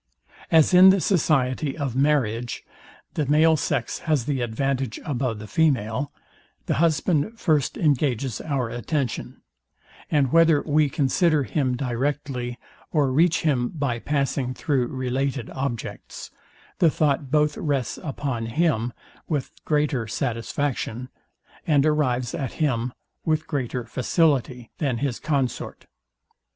As in the society of marriage, the male sex has the advantage above the female, the husband first engages our attention; and whether we consider him directly, or reach him by passing through related objects, the thought both rests upon him with greater satisfaction, and arrives at him with greater facility than his consort.